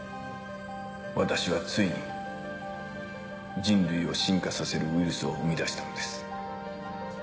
私はついに人類を進化させるウイルスを生み出したんです。